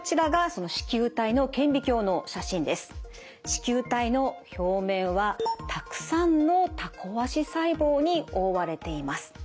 糸球体の表面はたくさんのタコ足細胞に覆われています。